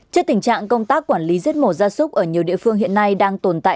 trước tình trạng công tác quản lý giết mổ ra súc ở nhiều địa phương hiện nay đang tồn tại